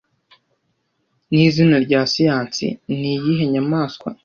nizina rya siyansi niyihe nyamaswa